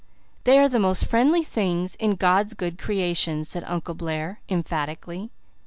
"They are the most friendly things in God's good creation," said Uncle Blair emphatically.